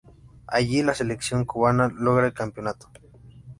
Allí la Selección Cubana logra el campeonato.